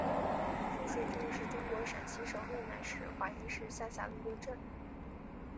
夫水镇是中国陕西省渭南市华阴市下辖的一个镇。